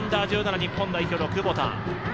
日本代表の久保田。